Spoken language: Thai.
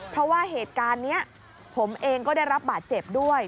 เพราะว่าเหตุการณ์นี้ผมเองก็ได้รับบาดเจ็บด้วย